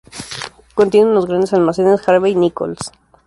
Contiene unos grandes almacenes Harvey Nichols.